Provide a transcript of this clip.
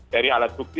dari alat bukti